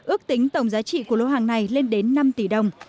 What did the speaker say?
ước tính tổng giá trị của lô hàng này lên đến năm tỷ đồng